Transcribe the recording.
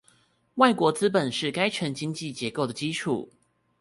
外國資本是該城經濟結構的基礎